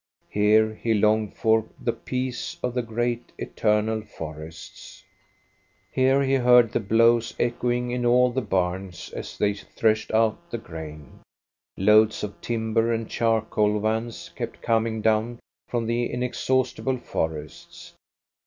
Here he longed for the peace of the great, eternal forests. INTRODUCTION 1 5 Here he heard the blows echoing in all the barns as they threshed out the grain. Loads of timber and charcoal vans kept coming down from the inexhaust ible forests.